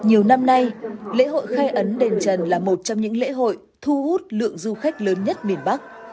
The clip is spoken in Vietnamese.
nhiều năm nay lễ hội khai ấn đền trần là một trong những lễ hội thu hút lượng du khách lớn nhất miền bắc